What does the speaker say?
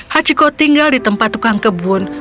hachiko tinggal di tempat tukang kebun